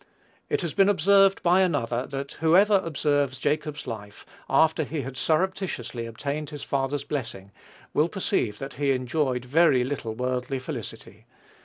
It has been observed by another, that "whoever observes Jacob's life, after he had surreptitiously obtained his father's blessing, will perceive that he enjoyed very little worldly felicity.